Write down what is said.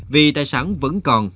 vì tài sản vẫn còn